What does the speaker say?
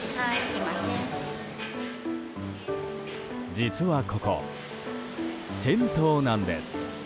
実はここ、銭湯なんです。